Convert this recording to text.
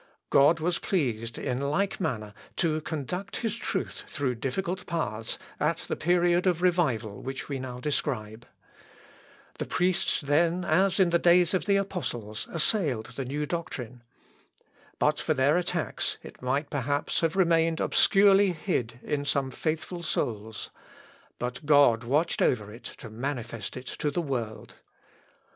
God was pleased, in like manner, to conduct his truth through difficult paths at the period of revival which we now describe. The priests then, as in the days of the apostles, assailed the new doctrine. But for their attacks it might, perhaps, have remained obscurely hid in some faithful souls. But God watched over it to manifest it to the world.